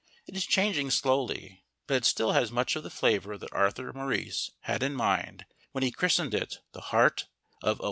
It is changing slowly, but it still has much of the flavour that Arthur Maurice had in mind when he christened It "the heart of O.